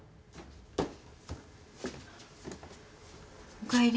おかえり。